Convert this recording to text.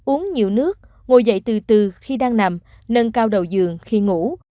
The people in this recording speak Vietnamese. uống nhiều nước ngồi dậy từ từ khi đang nằm nâng cao đầu giường khi ngủ